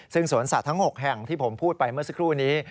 ซึ่งสวนสัตว์ทั้ง๖แห่งที่ผมพูดไปเมื่อสักครู่นี้